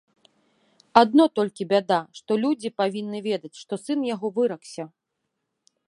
Адно толькі бяда, што людзі павінны ведаць, што сын яго выракся.